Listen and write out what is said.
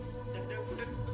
bagaimana keadaan iwan